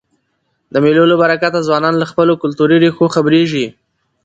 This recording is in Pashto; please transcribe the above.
د مېلو له برکته ځوانان له خپلو کلتوري ریښو خبريږي.